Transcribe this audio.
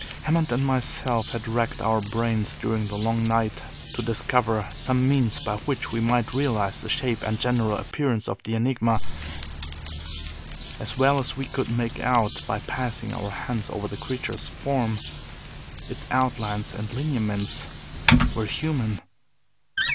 Hammond and myself had racked our brains during the long night to discover some means by which we might realize the shape and general appearance of the Enigma. As well as we could make out by passing our hands over the creature's form, its outlines and lineaments were human.